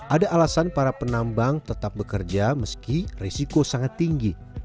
ada alasan para penambang tetap bekerja meski risiko sangat tinggi